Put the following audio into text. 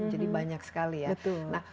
jadi banyak sekali ya